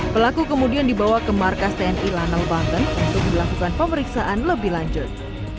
pelaku kemudian dibawa ke markas tni lanau banten untuk dilakukan pemeriksaan lebih lanjut